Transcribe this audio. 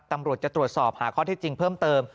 ตำรวจจะตรวจสอบหาข้อเท็จจริงเพิ่มเติม